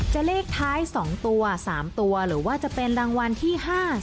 เลขท้าย๒ตัว๓ตัวหรือว่าจะเป็นรางวัลที่๕๐